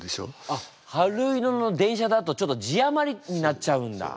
あっ「春色の電車」だとちょっと字余りになっちゃうんだ。